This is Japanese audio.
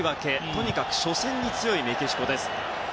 とにかく初戦に強いメキシコです。